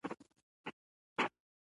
له خطر سره مخ کېدل دي.